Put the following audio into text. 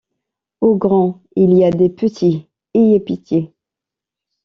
Ô grands, il y a des petits! ayez pitié.